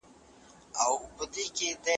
متل: کنځ خو به وايي که یې ملا فاروق ومني